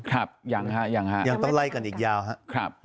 ครับยังฮะยังฮะยังต้องไล่กันอีกยาวครับ